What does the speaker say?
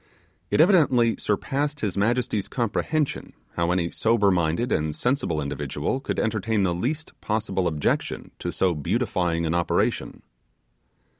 It evidently surpassed his majesty's comprehension how any sober minded and sensible individual could entertain the least possible objection to so beautifying an operation.